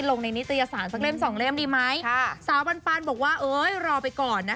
ลงในนิตยสารสักเล่มสองเล่มดีไหมค่ะสาวปันปันบอกว่าเอ้ยรอไปก่อนนะ